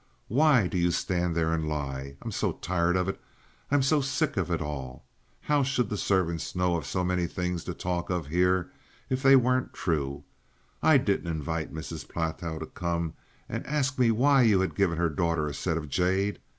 Why do you stand there and lie? I'm so tired of it; I'm so sick of it all. How should the servants know of so many things to talk of here if they weren't true? I didn't invite Mrs. Platow to come and ask me why you had given her daughter a set of jade.